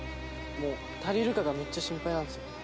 もう足りるかがめっちゃ心配なんですよ。